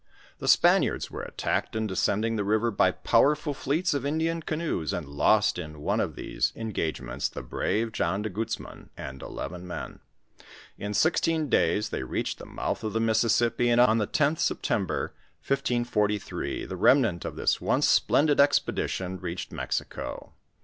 The Spaniards were attacked in de Bcending the river by powerful fleets of Indian canoes, and lost in one of these engagements the brave John de Guzman and eleven men. In sixteen days they reached the mouth of the Mississippi, and on the 10th September, 164!), the rem nant of this once splendid expedition reached Mexico.